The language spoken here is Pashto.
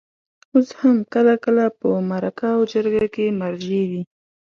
اوس هم کله کله په مرکه او جرګه کې مرجع وي.